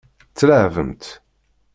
Tleεεbem-tt.